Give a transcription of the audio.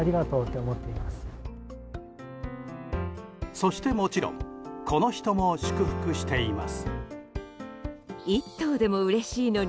そしてもちろんこの人も祝福しています。